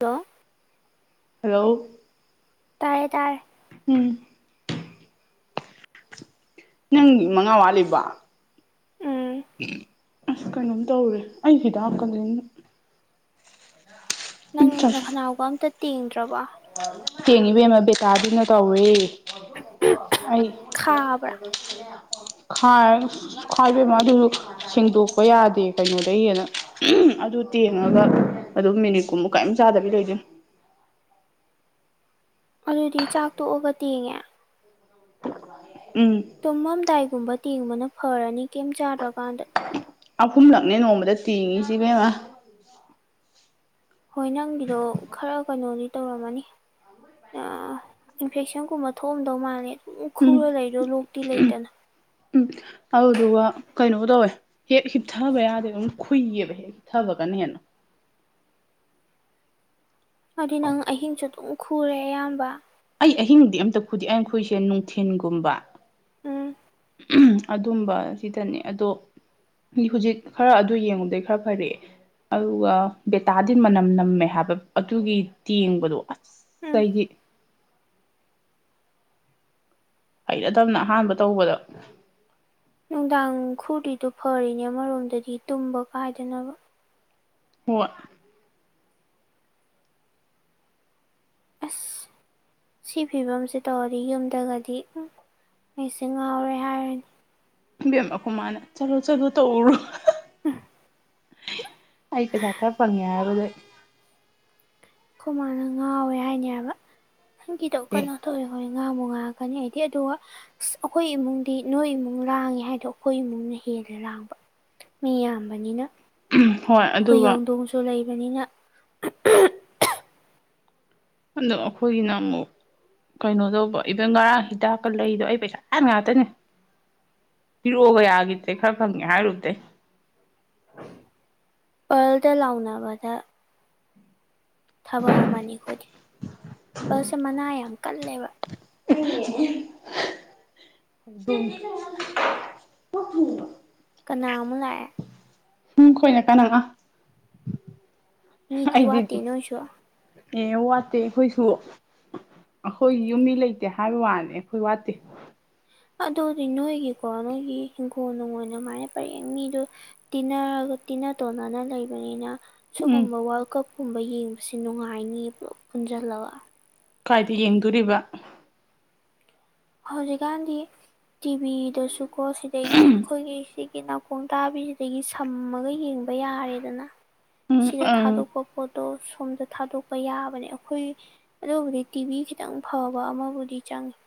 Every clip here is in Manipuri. ꯍꯂꯣ ꯍꯂꯣ ꯇꯥꯏꯌꯦ ꯇꯥꯔꯦ ꯎꯝ ꯅꯪ ꯃꯉꯥ ꯋꯥꯠꯂꯤꯕꯣ ꯎꯝ ꯑꯁ ꯀꯩꯅꯣꯝ ꯇꯧꯔꯦ ꯑꯩ ꯍꯤꯗꯀ ꯅꯪ ꯅꯈꯅꯥꯎꯒ ꯑꯝꯇ ꯇꯦꯡꯗ꯭ꯔꯕ ꯇꯦꯡꯉꯤꯕꯦꯝꯃ ꯕꯦꯇꯗꯤꯟꯅ ꯇꯧꯔꯦ ꯑꯩ ꯈꯥꯕ꯭ꯔꯥ ꯈꯥꯏ ꯈꯥꯏꯏꯕꯦꯃ ꯑꯗꯨꯁꯨ ꯁꯦꯡꯗꯣꯛꯄ ꯌꯥꯗꯦ ꯀꯩꯅꯣꯗꯒꯤ ꯍꯦꯟ ꯑꯗꯨ ꯇꯦꯡꯉꯒ ꯑꯗꯨ ꯃꯤꯅꯤꯠ ꯀꯨꯝꯃꯨ ꯀꯔꯤꯝ ꯆꯥꯗꯕꯤ ꯂꯩꯗꯣꯏꯅꯦ ꯑꯗꯨꯗꯤ ꯆꯥꯛ ꯇꯣꯛꯑꯒ ꯇꯦꯡꯉꯦ ꯎꯝ ꯇꯨꯝꯃꯝꯗꯥꯏꯒꯨꯝꯕ ꯇꯦꯡꯕꯅ ꯐꯔꯅꯤ ꯀꯩꯝ ꯆꯥꯗ꯭ꯔꯀꯥꯟꯗ ꯑꯍꯨꯝꯂꯛꯅꯦ ꯅꯣꯡꯃꯗ ꯇꯤꯡꯉꯤꯁꯤ ꯏꯕꯦꯝꯃ ꯍꯣꯏ ꯅꯪꯒꯤꯗꯣ ꯈꯔ ꯀꯩꯅꯣꯗꯤ ꯇꯧꯔꯝꯃꯅꯤ ꯏꯟꯐꯦꯛꯁꯟꯒꯨꯝꯕ ꯊꯣꯛꯑꯗꯧ ꯃꯥꯜꯂꯦ ꯑꯗꯨꯝ ꯎꯝ ꯈꯨꯔ ꯂꯩꯗꯣ ꯂꯣꯛꯇꯤ ꯂꯩꯇꯅ ꯑꯗꯨ ꯗꯨꯒ ꯀꯩꯅꯣ ꯇꯧꯋꯦ ꯍꯦꯛ ꯍꯤꯞꯊꯕ ꯌꯥꯗꯦ ꯑꯗꯨꯝ ꯈꯨꯨꯏꯌꯦꯕ ꯍꯦꯛ ꯍꯤꯞꯊꯕ ꯀꯅ ꯍꯦꯟꯅ [inaudible] ꯑꯗꯨꯗꯤ ꯅꯪ ꯑꯍꯤꯡꯁꯨ ꯑꯗꯨꯝ ꯈꯨꯔꯦ ꯑꯌꯥꯝꯕ ꯑꯩ ꯑꯍꯤꯡꯗꯤ ꯑꯝꯇ ꯈꯨꯗꯦ ꯑꯩꯈꯏꯁꯦ ꯅꯨꯡꯊꯤꯟꯒꯨꯝꯕ ꯎꯝ ꯑꯗꯨꯝꯕ ꯁꯤꯗꯅꯦ ꯑꯗꯣ ꯍꯧꯖꯤꯛ ꯈꯔ ꯑꯗꯨ ꯌꯦꯡꯉꯨꯗꯩ ꯈꯔ ꯐꯔꯛꯑꯦ ꯑꯗꯨꯒ ꯕꯦꯇꯥꯗꯤꯟ ꯃꯅꯝ ꯅꯝꯃꯦ ꯍꯥꯏꯕ ꯑꯗꯨꯒꯤ ꯇꯦꯡꯕꯗꯣ ꯎꯝ ꯆꯩꯒꯤ ꯍꯩꯅꯗꯕꯅ ꯑꯍꯥꯟꯕ ꯇꯧꯕꯗ ꯅꯨꯡꯗꯥꯡ ꯈꯨꯗꯔꯤꯗꯨ ꯐꯔꯤꯅꯦ ꯑꯃꯔꯣꯝꯗꯗꯤ ꯇꯨꯝꯕ ꯀꯥꯏꯗꯅꯕ ꯍꯣꯏ ꯑꯁ ꯁꯤ ꯐꯤꯕꯝꯁꯦ ꯇꯧꯔꯗꯤ ꯌꯨꯝꯗꯒꯗꯤ ꯎꯝ ꯑꯩꯁꯤ ꯉꯥꯎꯔꯦ ꯍꯥꯏꯔꯅꯤ ꯏꯕꯦꯝꯃ ꯑꯩꯈꯣꯏꯃꯅ ꯆꯠꯂꯣ ꯆꯠꯂꯣ ꯇꯧꯔꯣ ꯑ ꯑꯩ ꯄꯩꯁ ꯈꯔ ꯐꯉꯦ ꯍꯥꯏꯕꯗꯩ ꯑꯩꯈꯣꯏ ꯃꯥꯅ ꯉꯥꯎꯋꯦ ꯍꯥꯏꯅꯦꯕ ꯅꯪꯒꯤꯗꯣ ꯑꯦ ꯀꯩꯅꯣ ꯇꯧꯋꯦ ꯍꯣꯏ ꯉꯥꯡꯃꯨ ꯉꯥꯡꯉꯀꯅꯤ ꯍꯥꯏꯗꯤ ꯑꯗꯨꯒ ꯑꯩꯈꯣꯏ ꯏꯃꯨꯡꯗꯤ ꯅꯣꯏ ꯏꯃꯨꯡ ꯂꯥꯡꯉꯦ ꯍꯥꯏꯗꯣ ꯑꯩꯈꯣꯏ ꯏꯃꯨꯡꯅ ꯍ ꯍꯦꯜꯂꯦ ꯂꯥꯡꯕ ꯃꯤ ꯌꯥꯝꯕꯅꯤꯅ ꯍꯣꯏ ꯑꯗꯨꯒ ꯕꯅꯤꯅ ꯑꯗꯣ ꯑꯩꯈꯣꯏꯒꯤꯅ ꯑꯃꯨꯛ ꯀꯩꯅꯣ ꯇꯧꯕ ꯉꯔꯥꯡ ꯍꯤꯗꯥꯛꯀ ꯂꯩꯗꯣ ꯑꯩ ꯄꯩꯁꯥ ꯌꯥꯝ ꯉꯥꯛꯇꯅꯦ ꯐꯤꯔꯣꯑꯒ ꯌꯥꯒꯤꯗꯔꯦ ꯈꯔ ꯐꯪꯉꯦ ꯍꯥꯏꯔꯨꯕꯗꯩ ꯄꯜꯗ ꯂꯥꯎꯅꯕꯗ ꯊꯕꯛ ꯑꯃꯅꯤ ꯑꯩꯈꯣꯏꯗꯤ ꯕꯁꯁꯦ ꯃꯅꯥ ꯌꯥꯝ ꯀꯜꯂꯦꯕ [unintelligible] ꯀꯅꯥ ꯑꯃꯨꯛ ꯂꯛꯑꯦ ꯎꯝ ꯈꯣꯏꯅ ꯀꯅꯥ ꯃꯤꯗꯤ ꯑꯩꯗꯤ ꯋꯥꯠꯇꯦ ꯅꯣꯏꯁꯨ ꯑꯦ ꯋꯥꯠ ꯋꯥꯠꯇꯦ ꯑꯩꯈꯣꯏꯁꯨ ꯑꯩꯈꯣꯏ ꯌꯨꯝꯕꯤ ꯂꯩꯇꯦ ꯍꯥꯏꯕ ꯋꯥꯅꯤ ꯑꯩꯈꯣꯏ ꯋꯥꯠꯇꯦ ꯑꯗꯨꯗꯤ ꯅꯣꯏꯒꯤꯀꯣ ꯅꯣꯏꯒꯤ ꯍꯤꯡꯈꯣꯜ ꯅꯨꯡ ꯑꯗꯨ ꯃꯥꯥꯏꯅ ꯄꯔ ꯃꯤꯗꯨꯣ ꯇꯤꯟꯅꯔꯒ ꯇꯤꯟꯅ ꯇꯣꯟꯅꯅ ꯂꯩꯕꯅꯤꯅ ꯎꯝ ꯁꯤꯒꯨꯝꯕ ꯋꯥꯔꯜ ꯀꯞꯀꯨꯝꯕ ꯌꯦꯡꯕꯁꯤ ꯅꯨꯡꯉꯥꯏꯅꯤ ꯄꯨꯖꯟꯂꯒ ꯀꯥꯏꯗ ꯌꯦꯡꯗꯣꯔꯤꯕ ꯍꯧꯖꯤꯛꯀꯥꯟꯗꯤ ꯇꯤꯚꯤꯗꯁꯨꯀꯣ ꯁꯤꯗꯒꯤ ꯑꯩꯈꯣꯏꯒꯤ ꯅꯥꯀꯣꯡ ꯇꯥꯕꯤꯁꯤꯗꯒꯤ ꯁꯝꯃꯒ ꯌꯦꯡꯕ ꯌꯥꯔꯦꯗꯅ ꯎꯝ ꯁꯤꯗ ꯎꯝ ꯊꯗꯗꯣꯛꯄ ꯅꯣꯠꯇꯣ ꯁꯣꯝꯗ ꯊꯥꯗꯣꯛꯄ ꯌꯥꯕꯅꯦ ꯑꯩꯈꯣꯏ ꯑꯗꯨꯕꯨꯗꯤ ꯇꯤꯚꯤ ꯈꯤꯇꯪ ꯐꯕ ꯑꯃꯕꯨꯗꯤ ꯆꯪꯉꯤ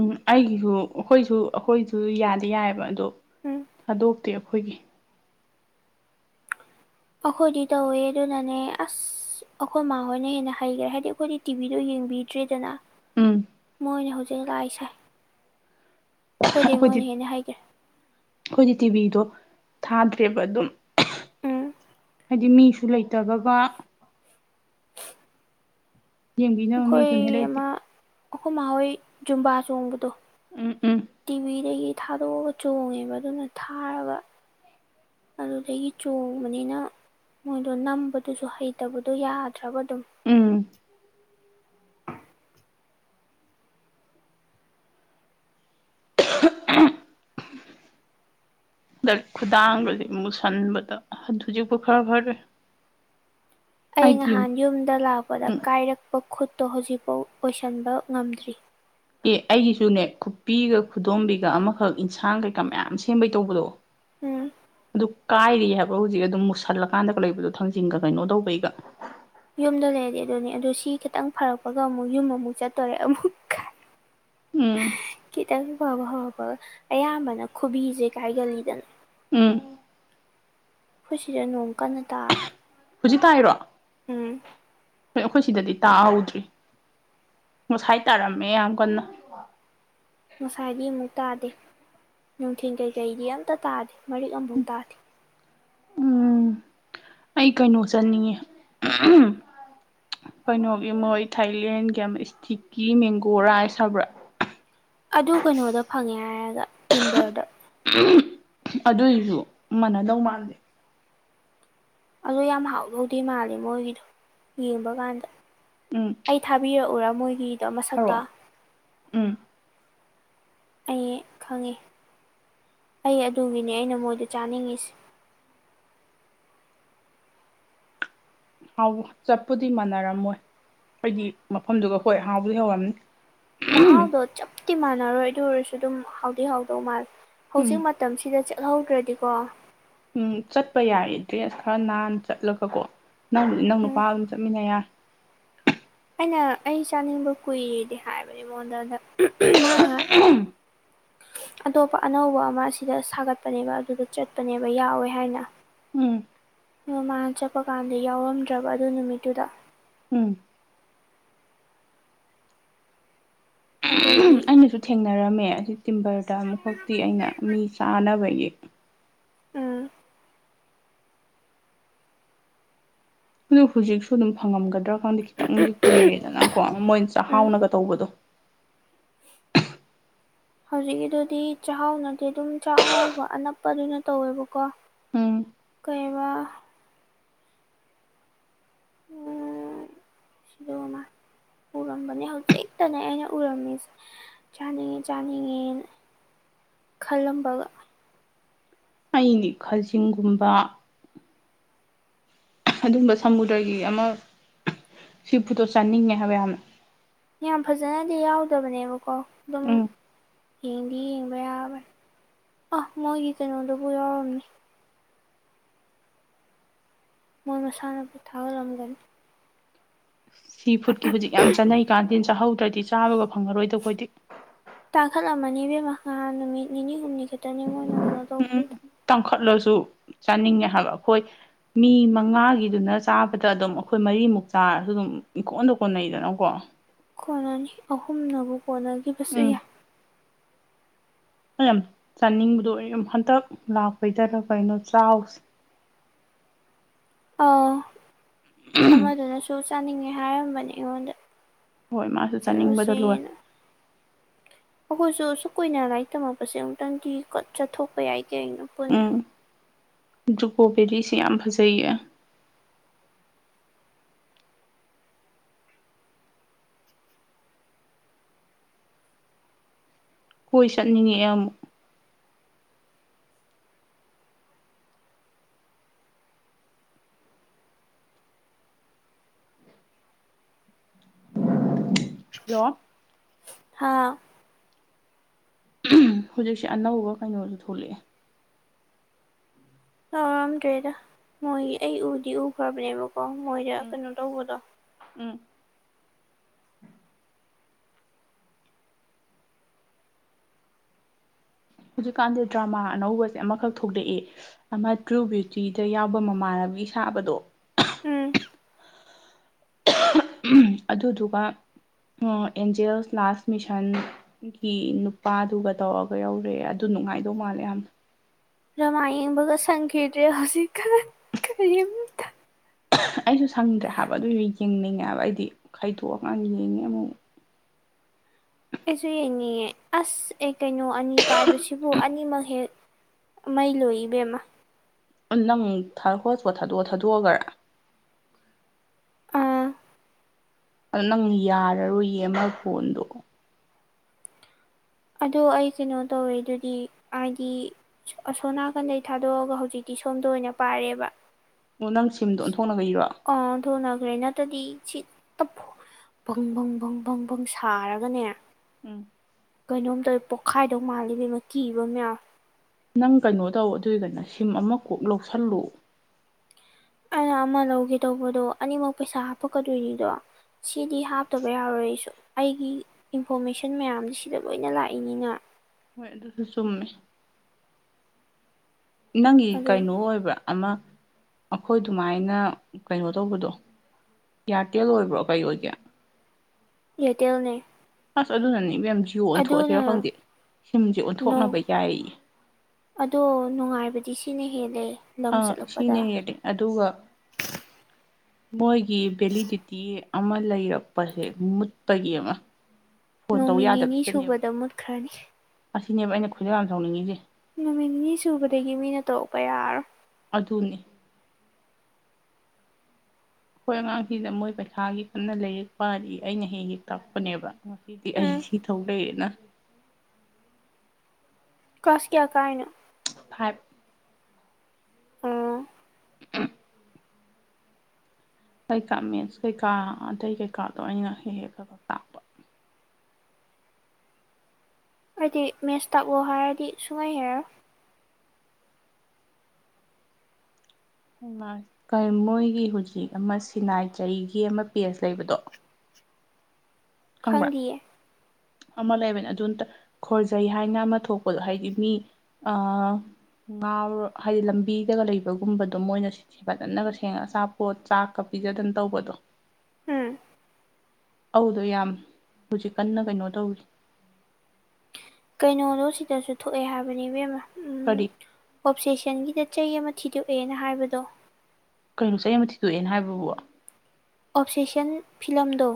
ꯎꯝ ꯑꯩꯒꯤꯁꯨ ꯑꯩꯈꯣꯏꯁꯨ ꯑꯩꯈꯣꯏꯁꯨ ꯌꯥꯗꯤ ꯌꯥꯏꯑꯕ ꯑꯗꯣ ꯎꯝ ꯊꯥꯗꯣꯛꯇꯦꯕ ꯑꯩꯈꯣꯏꯒꯤ ꯑꯈꯣꯗꯤ ꯇꯧꯋꯦ ꯑꯗꯨꯅꯆꯦ ꯑꯁ ꯑꯩꯈꯣꯏ ꯃꯥꯍꯣꯏꯅ ꯍꯦꯟꯅ ꯍꯩꯈ꯭ꯔꯦ ꯍꯥꯏꯗꯤ ꯑꯩꯈꯣꯏꯗꯤ ꯇꯤꯕꯤꯗꯣ ꯌꯦꯡꯕꯤꯗ꯭ꯔꯦꯗꯅ ꯎꯝ ꯃꯣꯏꯅ ꯍꯧꯖꯤꯛ ꯂꯥꯛꯏꯁꯥꯏ ꯍꯣꯏꯗꯤ ꯑꯩꯈꯣꯏꯗꯤ ꯃꯣꯏꯅꯦ ꯍꯦꯟꯅꯦ ꯍꯩꯒꯔꯦ ꯑꯩꯈꯣꯏꯗꯤ ꯇꯤꯚꯤꯗꯣ ꯊꯥꯗ꯭ꯔꯦꯕ ꯑꯗꯨꯝ ꯎꯝ ꯍꯥꯏꯗꯤ ꯃꯤꯁꯨ ꯂꯩꯇꯕꯒ ꯌꯦꯡꯕꯤꯅꯕ ꯑꯩꯈꯣꯏ ꯃꯤꯗꯨꯅꯦ ꯂꯩꯇꯦ ꯑꯃꯥ ꯑꯩꯈꯣꯏ ꯃꯥ ꯍꯣꯏ ꯖꯨꯝꯕꯥ ꯆꯣꯡꯕꯗꯣ ꯎꯝ ꯎꯝ ꯇꯤꯚꯤꯗꯒꯤ ꯊꯥꯗꯣꯛꯑꯒ ꯆꯣꯡꯉꯦꯕ ꯑꯗꯨꯅ ꯊꯥꯔꯒ ꯑꯗꯨꯗꯒꯤ ꯆꯣꯡꯕꯅꯤꯅ ꯃꯣꯏꯗꯣ ꯅꯝꯕꯗꯨꯁꯨ ꯍꯩꯇꯕꯗꯣ ꯌꯥꯗ꯭ꯔꯕ ꯑꯗꯨꯝ ꯎꯝ [unintelligible] ꯈꯨꯗꯥꯡꯒꯁꯦ ꯑꯃꯨꯛꯁꯟꯕꯗ ꯍꯧꯖꯤꯛꯄꯥꯎ ꯈꯔ ꯐꯔꯦ ꯑꯩ ꯑꯩꯗꯤ ꯎꯝ ꯉꯍꯥꯟ ꯌꯨꯝꯗ ꯂꯥꯛꯄꯗ ꯑꯦ ꯀꯥꯏꯔꯛꯄ ꯈꯨꯠ ꯇꯣ ꯍꯧꯖꯤꯛꯐꯥꯎ ꯑꯣꯏꯁꯤꯟꯕ ꯉꯝꯗ꯭ꯔꯤ ꯑꯦ ꯑꯩꯒꯤꯁꯨꯅꯦ ꯈꯨꯄꯤꯒ ꯈꯨꯗꯣꯝꯕꯤꯒ ꯑꯃꯈꯛ ꯏꯟꯁꯥꯡ ꯀꯩꯀꯥ ꯃꯌꯥꯝ ꯁꯦꯝꯕꯩ ꯇꯧꯕꯗꯣ ꯎꯝ ꯑꯗꯨ ꯀꯥꯏꯔꯤ ꯍꯥꯏꯕ꯭ꯔ ꯍꯧꯖꯤꯛ ꯑꯗꯨꯝ ꯃꯨꯁꯜꯂꯀꯥꯟꯗꯒ ꯂꯩꯕꯗꯣ ꯊꯥꯡꯖꯤꯡꯒ ꯀꯩꯅꯣ ꯇꯧꯕꯩꯒ ꯌꯨꯝꯗ ꯂꯩꯔꯗꯤ ꯑꯗꯨꯅꯦ ꯑꯗꯨ ꯁꯤ ꯈꯤꯇꯪ ꯐꯔꯛꯄꯒ ꯑꯃꯨꯛ ꯌꯨꯝ ꯑꯃꯨꯛ ꯆꯠꯇꯣꯔꯦ ꯑꯃꯨꯛ ꯎꯝ [inaudible] ꯈꯤꯇꯪ ꯐꯕ ꯐꯕ ꯑꯌꯥꯝꯕꯅ ꯈꯨꯕꯤꯁꯦ ꯀꯥꯏꯒꯜꯂꯤꯗꯅ ꯎꯝ ꯑꯩꯈꯠꯁꯤꯗ ꯅꯣꯡ ꯀꯟꯅ ꯇꯥꯔꯦ ꯍꯧꯖꯤꯛ ꯇ꯭ꯍꯥꯏꯔꯣ ꯎꯝ ꯍꯣꯏ ꯑꯩꯈꯣꯏ ꯁꯤꯗꯗꯤ ꯇꯥꯍꯧꯗ꯭ꯔꯤ ꯉꯁꯥꯏ ꯇꯥꯔꯝꯃꯦ ꯌꯥꯝ ꯀꯟꯅ ꯉꯁꯥꯏꯗꯤ ꯑꯃꯨꯛ ꯇꯥꯗꯦ ꯅꯨꯡꯊꯤꯜ ꯀꯩꯀꯩꯗꯤ ꯑꯝꯇ ꯇꯥꯗꯦ ꯃꯔꯤꯛ ꯑꯃꯐꯥꯎ ꯇꯥꯗꯦ ꯎꯝ [inaudible] ꯑꯩ ꯀꯩꯅꯣ ꯆꯟꯅꯤꯡꯉꯦ ꯀꯩꯅꯣ ꯏ ꯃꯣꯏ ꯊꯥꯏꯂꯦꯟꯒ ꯏꯁꯇꯤꯛꯀꯤ ꯃꯦꯡꯒꯣ ꯔꯥꯏꯁ ꯍꯥꯏꯕ꯭ꯔꯥ ꯑꯗꯨ ꯀꯩꯅꯣꯗ ꯐꯪꯉꯦ ꯍꯥꯏꯔꯒ ꯇꯤꯝꯕꯔꯗ ꯑꯗꯨꯏꯁꯨ ꯃꯥꯟꯅꯗꯧ ꯃꯥꯜꯂꯦ ꯑꯗꯣ ꯌꯥꯝ ꯍꯥꯎꯊꯧꯗꯦ ꯃꯥꯂꯦ ꯃꯣꯏꯒꯤꯗꯣ ꯌꯦꯡꯕ ꯀꯥꯟꯗ ꯎꯝ ꯑꯩ ꯊꯥꯕꯤꯔꯛꯎꯔ ꯃꯣꯏꯒꯤꯗꯣ ꯃꯁꯛꯇ ꯊꯔꯛꯑꯣ ꯎꯝ ꯑꯩ ꯈꯪꯉꯤ ꯑꯩ ꯑꯗꯨꯒꯤꯅꯦ ꯑꯩꯅ ꯃꯣꯏꯗ ꯆꯥꯅꯤꯡꯉꯤꯁ ꯍꯥꯎ ꯆꯠꯄꯨꯗꯤ ꯃꯥꯟꯅꯔꯝꯃꯣꯏ ꯑꯩꯗꯤ ꯃꯐꯝꯗꯨꯒ ꯍꯣꯏ ꯍꯥꯎꯕꯗꯤ ꯍꯧꯔꯝꯅꯤ ꯃꯍꯥꯎꯗꯣ ꯆꯞꯇꯤ ꯃꯥꯟꯅꯔꯣꯏ ꯑꯗꯨ ꯑꯣꯏꯔꯁꯨ ꯑꯗꯨꯝ ꯍꯥꯎꯗꯤꯤ ꯍꯥꯎꯗꯧ ꯃꯥꯜꯂꯦ ꯎꯝ ꯍꯧꯖꯤꯛ ꯃꯇꯝꯁꯤꯗ ꯆꯠꯍꯧꯗ꯭ꯔꯗꯤꯀꯣ ꯎꯝ ꯆꯠꯄ ꯌꯥꯏꯌꯦ ꯗ꯭ꯔꯦꯁ ꯈꯔ ꯅꯥꯟꯅ ꯆꯠꯂꯒꯀꯣ ꯅꯪꯕꯨꯗꯤ ꯅꯪ ꯅꯨꯄꯥ ꯎꯝ ꯑꯗꯨꯝ ꯆꯠꯃꯤꯟꯅꯔ ꯑꯩꯅ ꯑꯩ ꯆꯥꯅꯤꯡꯕ ꯀꯨꯏꯔꯗꯤ ꯍꯥꯏꯕꯅꯤ ꯑꯩꯉꯣꯟꯗ ꯑꯗ ꯃꯥ ꯉꯥꯏꯍꯥꯏ [inaudible] ꯑꯇꯣꯞꯄ ꯑꯅꯧꯕ ꯑꯃ ꯑꯁꯤꯗ ꯁꯥꯒꯠꯄꯅꯦꯕ ꯑꯗꯨꯗ ꯆꯠꯄꯅꯦꯕ ꯌꯥꯎꯋꯦ ꯍꯥꯏꯅ ꯎꯝ ꯑ ꯃꯥꯅ ꯆꯠꯄ ꯀꯥꯟꯗ ꯌꯥꯎꯔꯝꯗ꯭ꯔꯕ ꯑꯗꯨ ꯅꯨꯃꯤꯠꯇꯨꯗ ꯎꯝ ꯑꯗꯨ ꯑꯩꯅꯁꯨ ꯊꯦꯡꯅꯔꯝꯃꯦ ꯑꯁꯤ ꯇꯤꯝꯕꯔꯗ ꯑꯃꯨꯛꯈꯛꯇꯤ ꯑꯩꯅ ꯃꯤ ꯆꯥꯅꯕꯒꯤ ꯎꯝ ꯑꯗꯨ ꯍꯧꯖꯤꯛꯁꯨ ꯑꯗꯨꯝ ꯐꯪꯉꯝꯒꯗ꯭ꯔꯥ ꯃꯪꯗꯤ ꯈꯤꯇꯪꯗꯤ ꯀꯨꯏꯔꯦꯗꯅꯀꯣ ꯃꯣꯏ ꯎꯝ ꯆꯥꯛꯍꯥꯎꯅꯒ ꯇꯧꯕꯗꯣ ꯍꯧꯖꯤꯛꯀꯤꯗꯨꯗꯤ ꯆꯥꯛꯍꯥꯎꯅꯗꯤ ꯑꯗꯨꯝ ꯆꯥꯛ ꯑꯉꯧꯕ ꯑꯅꯛꯄ ꯑꯗꯨ ꯑꯣꯏꯅ ꯇꯧꯋꯦꯕꯀꯣ ꯎꯝ ꯀꯩꯔꯤꯕ ꯁꯤꯗ ꯑꯃ ꯎꯔꯝꯕꯅꯦ ꯍꯧꯖꯤꯛꯇꯅꯦ ꯑꯩꯅ ꯎꯔꯝꯃꯤꯁꯦ ꯆꯥꯅꯤꯡꯉꯤ ꯆꯥꯅꯤꯡꯉꯦ ꯈꯜꯂꯝꯕꯒ ꯑꯩꯅꯤ ꯈꯥꯖꯤꯡꯒꯨꯝꯕ ꯑꯗꯨꯒꯝꯕ ꯁꯃꯨꯗ꯭ꯔꯒꯤ ꯑꯃ ꯁꯤ ꯐꯨꯇꯣꯛ ꯆꯥꯅꯤꯡꯉꯦ ꯍꯥꯏꯕ ꯌꯥꯝꯅ ꯌꯥꯝ ꯐꯖꯅꯗꯤ ꯌꯥꯎꯗꯕꯅꯦꯕꯀꯣ ꯑꯗꯨꯝ ꯎꯝ ꯌꯦꯡꯗꯤ ꯌꯦꯡ ꯌꯥꯕ꯭ꯔ ꯑ ꯃꯣꯏꯒꯤ ꯀꯩꯅꯣꯗꯨꯕꯨ ꯌꯥꯎꯔꯝꯅꯤ ꯃꯣꯏ ꯃꯁꯥꯅ ꯄꯣꯊꯥꯍꯔꯝꯒꯅꯤ ꯁꯤ ꯐꯨꯗꯀꯤ ꯍꯧꯖꯤꯛ ꯌꯥꯝ ꯆꯥꯅꯩ ꯀꯥꯟꯗꯤ ꯆꯥꯍꯧꯗ꯭ꯔꯗꯤ ꯆꯥꯕꯒ ꯐꯪꯉꯔꯣꯏꯗꯣ ꯑꯩꯗꯤ ꯏꯖꯤꯛ ꯇꯥꯈꯠꯂꯝꯃꯅꯤ ꯏꯕꯦꯝ ꯃꯈꯥ ꯅꯨꯃꯤꯠ ꯅꯤꯅꯤ ꯍꯨꯝꯅꯤ ꯈꯛꯇꯅꯦ ꯃꯣꯏꯅ ꯀꯩꯅꯣ ꯎꯝ ꯇꯧꯕꯗ ꯇꯥꯡꯈꯠꯂꯁꯨ ꯆꯥꯅꯤꯡꯉꯦ ꯍꯥꯏꯕ ꯑꯩꯈꯣꯏ ꯃꯤ ꯃꯉꯥꯒꯤꯗꯨꯅ ꯆꯥꯕꯗ ꯑꯗꯨꯝ ꯑꯩꯈꯣꯏ ꯃꯔꯤꯃꯨꯛ ꯆꯥꯔꯁꯨ ꯑꯗꯨꯝ ꯏꯪꯀꯣꯟꯗ ꯀꯣꯟꯅꯩꯗꯅꯀꯣ ꯀꯣꯟꯅꯅꯤ ꯑꯍꯨꯝꯅꯕꯨ ꯀꯣꯟꯅꯈꯤꯕꯁꯨ ꯎꯝ ꯌꯥꯏ ꯌꯥꯝ ꯆꯥꯅꯤꯡꯕꯗꯣ ꯍꯟꯇꯛ ꯂꯥꯛꯄꯩꯗꯔ ꯀꯩꯅꯣ ꯆꯥꯎꯁꯦ ꯑꯥꯎ ꯑꯃꯗꯨꯅꯁꯨ ꯆꯥꯅꯤꯡꯉꯦ ꯍꯥꯏꯔꯝꯕꯅꯦ ꯑꯩꯉꯣꯟꯗ ꯍꯣꯏ ꯃꯥꯁꯨ ꯆꯥꯅꯤꯡꯕꯗ ꯂꯣꯏ ꯆꯠꯂꯨꯁꯦꯅ ꯑꯩꯈꯣꯏꯁꯨ ꯑꯁꯨꯛ ꯀꯨꯏꯅ ꯂꯥꯏꯔꯤꯛ ꯇꯝꯃꯛꯄꯁꯦ ꯑꯃꯨꯛꯇꯪꯗꯤ ꯆꯠꯊꯣꯛꯄ ꯌꯥꯏꯗꯦ ꯑꯩꯅ ꯄꯨꯟꯅ ꯨꯀꯣꯕꯦꯔꯤꯁꯤ ꯌꯥꯝ ꯐꯖꯩꯌꯦ ꯀꯣꯏ ꯆꯠꯅꯤꯡꯉꯛꯑꯦ ꯑꯃꯨꯛ ꯍꯜꯂꯣ ꯍꯥꯥ [unintelligible] ꯍꯧꯖꯤꯛꯁꯦ ꯑꯅꯧꯕ ꯀꯩꯅꯣꯁꯨ ꯊꯣꯛꯂꯛꯑꯦ ꯌꯥꯥꯎꯔꯝꯗ꯭ꯔꯦꯗ ꯃꯣꯏꯒꯤ ꯑꯩ ꯎꯗꯤ ꯎꯈ꯭ꯔꯕꯅꯦꯕ ꯀꯣ ꯃꯣꯏꯗ ꯎꯝ ꯀꯩꯅꯣ ꯇꯧꯕꯗꯣ [inaudible] ꯍꯧꯖꯤꯛꯀꯥꯟꯗꯤ ꯗ꯭ꯔꯃꯥ ꯑꯅꯧꯕꯁꯦ ꯑꯃꯈꯛ ꯊꯣꯛꯂꯛꯑꯦ ꯑꯃ ꯇ꯭ꯔꯨ ꯕ꯭ꯌꯨꯇꯤꯗ ꯌꯥꯎꯕ ꯃꯃꯥꯟ ꯁꯥꯕꯗꯣ [unintelligible] ꯎꯝ [unintelligible] ꯑꯗꯨꯗꯨꯒ ꯑꯦꯟꯖꯦꯜꯁ ꯂꯥꯁ ꯃꯤꯁꯟꯒꯤ ꯅꯨꯄꯥꯗꯨꯒ ꯇꯧꯔꯒ ꯌꯧꯔꯦ ꯑꯗꯨ ꯅꯨꯡꯉꯥꯏꯗꯧ ꯃꯥꯜꯂꯦ ꯌꯥꯝꯅ ꯗꯔ꯭ꯃꯥ ꯌꯦꯡꯕꯒꯥ ꯁꯪꯈꯤꯗꯔꯦ ꯍꯧꯖꯤꯛꯀꯟ ꯀꯔꯤꯝꯇ [unintelligible] ꯑꯩꯁꯨ ꯁꯪꯗ꯭ꯔꯦ ꯍꯥꯏꯕ ꯑꯗꯨꯏꯁꯨ ꯌꯦꯡꯅꯤꯡꯉꯦ ꯍꯥꯏꯕ ꯑꯩꯗꯤ ꯈꯥꯏꯗꯣꯛ ꯑꯀꯥꯟ ꯌꯦꯡꯉꯦ ꯑꯃꯨꯛ ꯑꯩꯁꯨ ꯌꯦꯡꯅꯤꯡꯑꯦ ꯑꯁ ꯑꯦ ꯀꯩꯅꯣ ꯑꯅꯤ ꯄꯥꯏꯕꯁꯤꯕꯨ ꯑꯅꯤꯃꯛ ꯍꯦꯛ [inaudible] ꯅꯪ ꯍꯣꯠꯁꯄꯣꯠ ꯊꯗꯣꯛ ꯊꯥꯗꯣꯛꯑꯒꯔ ꯑꯥ ꯅꯪ ꯌꯥꯔꯔꯣꯏꯌꯦ ꯑꯃ ꯐꯣꯟꯗꯣ ꯑꯗꯣ ꯑꯩ ꯀꯩꯅꯣ ꯇꯧꯋꯤ ꯑꯗꯨꯗꯤ ꯍꯥꯏꯗꯤ ꯑꯁꯣꯝꯅꯥꯀꯟꯗꯩ ꯊꯥꯗꯣꯛꯑꯒ ꯍꯧꯖꯤꯛꯇꯤ ꯑꯩ ꯁꯣꯝꯗ ꯑꯣꯏꯅ ꯄꯥꯔꯦꯕ ꯑꯣ ꯅꯪ ꯁꯤꯝꯗꯣ ꯑꯣꯟꯊꯣꯛꯅꯒ ꯏꯔꯣ [unintelligible] ꯇꯗꯤ [unintelligible] ꯕꯪꯪ ꯕꯪ ꯕꯪ ꯁꯥꯔꯒꯅꯦ ꯎꯝ ꯀꯩꯅꯣꯝ ꯇꯧꯏ ꯄꯣꯛꯈꯥꯏꯗꯧ ꯃꯥꯜꯂꯤ ꯏꯕꯦꯝꯃ ꯀꯤꯕ ꯑꯃꯥ ꯌꯥꯎꯏ ꯅꯪ ꯀꯩꯅꯣ ꯇꯧ ꯑꯗꯨꯏꯒꯅꯥ ꯁꯤꯝ ꯑꯃ ꯀꯣꯛ ꯂꯧꯁꯜꯂꯣ ꯑꯩꯅ ꯑꯃ ꯂꯧꯒꯦ ꯇꯧꯕꯗꯣ ꯑꯅꯤꯃꯛ ꯄꯩꯁꯥ ꯍꯥꯞꯄꯛꯀꯗꯣꯏꯅꯤꯗꯣ ꯁꯤꯗꯤ ꯍꯥꯞꯇꯕ ꯌꯥꯔꯣꯏꯌꯦ ꯑꯩꯒꯤ ꯏꯟꯐꯣꯔꯃꯦꯁꯟ ꯃꯌꯥꯝꯗꯤ ꯁꯤꯗ ꯂꯣꯏꯅ ꯂꯥꯛꯏꯅꯤꯅ ꯍꯣꯏ ꯑꯗꯨꯁꯨ ꯆꯨꯝꯃꯦ ꯅꯪꯒꯤ ꯑꯗꯨ ꯀꯩꯅꯣ ꯑꯣꯏꯕ꯭ꯔ ꯑꯃ ꯑꯩꯈꯣꯏ ꯑꯗꯨꯃꯥꯏꯅ ꯀꯩꯅꯣ ꯇꯧꯕꯗꯣ ꯏꯌꯥꯔꯇꯦꯜ ꯑꯣꯏꯕ꯭ꯔꯣ ꯀꯩ ꯑꯣꯏꯒꯦ ꯏꯌꯥꯔꯇꯦꯜ ꯅꯦ ꯑꯁ ꯑꯗꯨꯅꯅꯦ ꯏꯕꯦꯝ‌ ꯖꯤꯑꯣ ꯑꯣꯟꯊꯣꯛꯑꯁꯤꯔ ꯈꯪꯗꯦ ꯁꯤꯝꯁꯦ ꯅꯣꯡ ꯑꯣꯟꯊꯣꯛꯅꯕ ꯌꯥꯏ ꯑꯗꯣ ꯅꯨꯡꯉꯥꯏꯕꯗꯤ ꯁꯤꯅ ꯍꯦꯜꯂꯦ ꯂꯝ ꯑ ꯆꯠꯂꯛꯄꯗ ꯁꯤꯅꯥ ꯍꯦꯟꯂꯤ ꯑꯗꯨꯒ ꯃꯣꯏ ꯒꯤ ꯕꯦꯂꯤꯗꯤꯇꯤ ꯑꯃ ꯂꯩꯔꯛꯄꯁꯦ ꯃꯨꯠꯄꯒꯤ ꯑꯃ ꯐꯣꯟ ꯇꯧ ꯅꯨꯃꯤꯠ ꯅꯤꯅꯤ ꯌꯥꯗꯕꯁꯤꯗꯅꯦꯕ ꯁꯨꯕꯗ ꯃꯨꯠꯈ꯭ꯔꯅꯤ ꯑꯁꯤꯅꯦꯕ ꯑꯩꯅ ꯈꯣꯏꯗꯧ ꯌꯥꯝ ꯁꯥꯎꯅꯤꯡꯉꯤꯁꯦ ꯅꯨꯃꯤꯠ ꯅꯤꯅꯤ ꯁꯨꯕꯗꯒꯤ ꯃꯤꯅ ꯇꯧꯔꯛꯄ ꯌꯥꯔꯔꯣꯏ ꯨꯑꯗꯨꯅꯤ ꯍꯣꯏ ꯑꯉꯥꯡꯁꯤꯗ ꯃꯣꯏ ꯄꯩꯈꯥꯒꯤ ꯀꯟꯅ ꯂꯩꯔꯤꯛ ꯄꯥꯔꯤ ꯑꯩꯅ ꯍꯦꯛ ꯍꯦꯛ ꯇꯥꯛꯄꯅꯦꯕ ꯉꯁꯤꯗꯤ ꯑꯩ ꯎꯝ ꯁꯤ ꯇꯧ ꯂꯩꯔꯦꯅ [inaudible] ꯀꯂ꯭ꯥꯁ ꯀꯌꯥ ꯀꯥꯏꯅꯣ ꯐꯥꯏꯞ ꯑꯣ ꯀꯩꯀꯥ ꯃꯦꯠꯁ ꯀꯩꯀꯥ ꯑꯇꯩ ꯀꯩꯀꯥꯗꯣ ꯑꯩꯅ ꯍꯦꯛ ꯍꯦꯛ ꯈꯔ ꯈꯔ ꯇꯥꯛꯄ ꯑꯩꯗꯤ ꯃꯦꯠꯁ ꯇꯥꯛꯎ ꯍꯥꯏꯔꯗꯤ ꯁꯨꯡꯍꯩ ꯍꯥꯏꯔꯔꯣꯏ ꯃꯣꯏꯒꯤ ꯍꯧꯖꯤꯛ ꯑꯃ ꯁꯤꯅꯥꯏ ꯆꯍꯤꯒꯤ ꯑꯃ ꯄꯦꯁ ꯂꯩꯕꯗꯣ ꯈꯪꯕ꯭ꯔꯥ ꯈꯪꯖꯤꯌꯦ ꯑꯃ ꯂꯩꯕꯅꯦ ꯑꯗꯨ ꯅꯇ ꯈꯣꯔꯖꯩ ꯍꯥꯏꯅ ꯑꯃ ꯊꯣꯛꯄꯗꯣ ꯍꯥꯏꯗꯤ ꯃꯤ ꯑꯥ ꯉꯥꯥꯎꯔꯣ ꯍꯥꯏꯗꯤ ꯂꯝꯕꯤꯗꯒ ꯂꯩꯕꯒꯨꯝꯕꯗꯣ ꯃꯣꯏꯅ ꯁ ꯐꯖꯅꯒ ꯁꯦꯡꯉ ꯑꯆꯥꯄꯣꯠ ꯆꯥꯛꯀ ꯐꯤꯖꯗꯅ ꯇꯧꯕꯗꯣ ꯎꯝ ꯑꯧꯗꯣ ꯌꯥꯝ ꯍꯧꯖꯤꯛ ꯀꯟꯅ ꯀꯩꯅꯣ ꯇꯧꯔꯤ ꯀꯩꯅꯣꯗꯣ ꯁꯤꯗꯁꯨ ꯊꯣꯛꯑꯦ ꯍꯥꯏꯕꯅꯦ ꯏꯕꯦꯝꯃꯥ ꯀꯔꯤ ꯎꯝ ꯑꯣꯞꯁꯦꯁꯟꯒꯤꯗ ꯆꯩ ꯑꯃ ꯊꯤꯗꯣꯛꯑꯦꯅ ꯍꯥꯏꯕꯗꯣ ꯀꯩꯅꯣ ꯆꯩ ꯑꯃ ꯊꯤꯗꯣꯛꯑꯦꯅ ꯍꯥꯏꯕꯕꯨ ꯑꯣꯞꯁꯦꯛꯁꯟ ꯐꯤꯂꯝꯗꯣ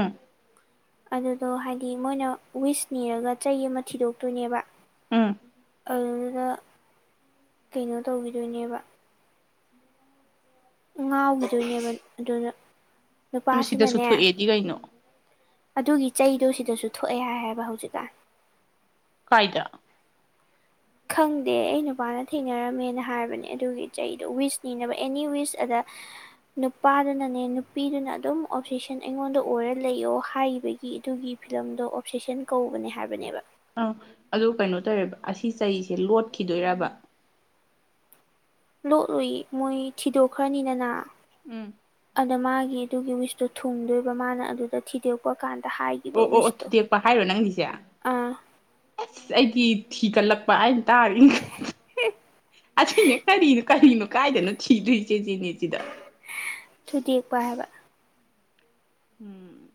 [inaudible] ꯑꯗꯨꯗꯣ ꯍꯥꯏꯗꯤ ꯃꯣꯏꯅ ꯋꯤꯁ ꯅꯤꯔꯒ ꯆꯩ ꯑꯃ ꯊꯤꯗꯣꯛꯇꯣꯏꯅꯦꯕ ꯎꯝ ꯑꯗꯨꯒ ꯀꯩꯅꯣ ꯇꯧꯒꯤꯗꯣꯏꯅꯦꯕ ꯉꯥꯎꯒꯤꯗꯣꯏꯅꯦꯕ ꯑꯗꯨꯅ ꯎꯝ ꯁꯤꯗꯁꯨ ꯅꯨꯄꯥꯁꯤꯅꯅꯦ ꯊꯣꯛꯑꯦꯗꯤ ꯀꯩꯅꯣ ꯑꯗꯨꯒꯤ ꯆꯩꯗꯣ ꯁꯤꯗꯁꯨ ꯊꯣꯛꯑꯦ ꯍꯥꯏꯑꯕ ꯍꯧꯖꯤꯛꯀꯥꯟ ꯀꯥꯏꯗ ꯈꯪꯗꯦ ꯑꯩ ꯅꯨꯄꯥꯅ ꯊꯦꯡꯅꯔꯝꯃꯦꯅ ꯍꯥꯏꯕꯅꯦ ꯑꯗꯨꯒꯤ ꯆꯩꯗꯣ ꯋꯤꯁꯅꯤꯅꯕ ꯑꯦꯅꯤ ꯋꯤꯁ ꯑꯗ ꯅꯨꯄꯥꯗꯨꯅꯅꯦ ꯅꯨꯄꯤꯗꯨꯅ ꯑꯗꯨꯝ ꯑꯣꯞꯖꯦꯁꯟ ꯑꯩꯉꯣꯟꯗ ꯑꯣꯏꯔ ꯂꯩꯑꯣ ꯍꯥꯏꯕꯒꯤ ꯒꯤ ꯑꯗꯨꯒꯤ ꯐꯤꯂꯝꯗꯣ ꯑꯣꯞꯁꯦꯁꯟ ꯀꯧꯕꯅꯦ ꯍꯥꯏꯕꯅꯦꯕ ꯑꯥ ꯑꯗꯨ ꯀꯩꯅꯣ ꯇꯧꯔꯦꯕ ꯑꯁꯤ ꯆꯩꯁꯦ ꯂꯣꯠꯈꯤꯗꯣꯏꯔꯕ ꯂꯣꯠꯂꯨꯏꯌꯦ ꯃꯣꯏ ꯊꯤꯗꯣꯛꯈ꯭ꯔꯅꯤꯗꯅ ꯎꯝ ꯑꯗ ꯃꯥꯒꯤ ꯑꯗꯨꯒꯤ ꯋꯤꯁꯇꯣ ꯊꯨꯡꯗꯣꯏꯕ ꯃꯥꯅ ꯑꯗꯨꯗ ꯊꯤꯗꯣꯛꯄ ꯀꯥꯟ ꯑꯣ ꯑꯣ ꯑꯣ ꯊꯨꯗꯦꯛꯄ ꯍꯥꯏꯔꯣ ꯅꯪꯒꯤꯁꯦ ꯑꯥ ꯑꯁ ꯑꯩꯗꯤ ꯊꯤꯒꯠꯂꯛꯄ ꯍꯥꯏ ꯇꯥꯔꯤ ꯑꯁꯤꯅꯦ ꯀꯔꯤꯅꯣ ꯀꯔꯤꯅꯣ ꯀꯥꯏꯗꯅꯣ ꯊꯤꯗꯣꯏꯆꯦꯆꯦꯍꯦ ꯑꯁꯤꯗ ꯊꯨꯗꯦꯛꯄ ꯍꯥꯏꯕ ꯎꯝ